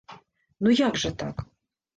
Ну як жа так?